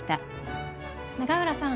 永浦さん